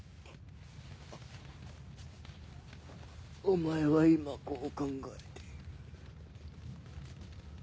お前は今こう考えている。